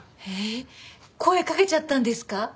ええっ声かけちゃったんですか？